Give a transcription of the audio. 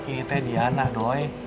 ini teh diana doi